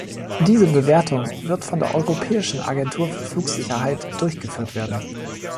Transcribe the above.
Diese Bewertung wird von der Europäischen Agentur für Flugsicherheit durchgeführt werden.